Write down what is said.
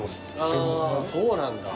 そうなんだ。